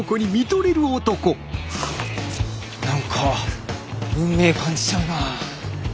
何か運命感じちゃうな。